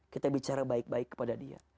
kita bicara baik baik kepada dia